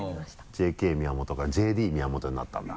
ＪＫ宮本がＪＤ宮本になったんだ。